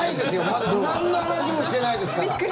まだなんの話もしてないですから。